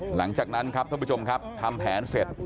หลังจากนั้นครับท่านผู้ชมครับทำแผนเสร็จ